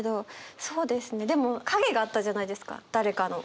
でも影があったじゃないですか誰かの。